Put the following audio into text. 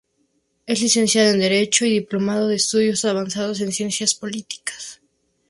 Es licenciado en derecho y diplomado de estudios avanzados en ciencias políticas.